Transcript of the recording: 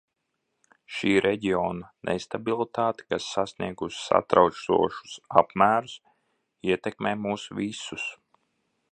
Šī reģiona nestabilitāte, kas sasniegusi satraucošus apmērus, ietekmē mūs visus.